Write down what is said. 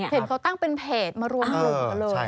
เพจเขาตั้งเป็นเพจมารวมกันเลย